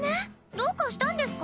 どうかしたんですか？